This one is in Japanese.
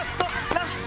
ラスト！